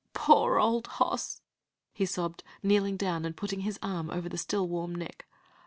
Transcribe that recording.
"Poor old boss!" he sobbed, kneeling down, and putting his arm over the still warm neck.